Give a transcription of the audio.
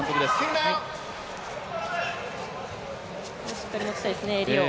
しっかり持ちたいですね、襟を。